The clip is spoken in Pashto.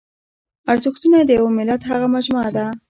ارزښتونه د یوه ملت هغه مجموعه ده.